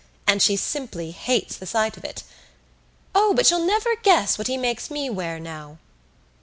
And she simply hates the sight of it!... O, but you'll never guess what he makes me wear now!"